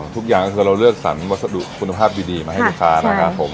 ทุกอย่างก็คือเราเลือกสรรวัสดุคุณภาพดีมาให้ลูกค้านะครับผม